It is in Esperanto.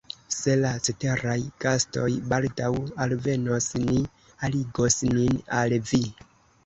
Se la ceteraj gastoj baldaŭ alvenos, ni aligos nin al vi.